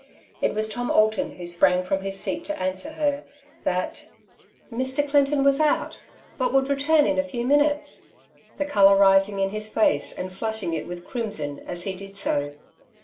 It was Tom Alton, who sprang from his seat t o answer her that ^' Mr. Clinton was out, but would return in a few minutes,'^ the colour rising in his face and flushing it with crimson as he did so.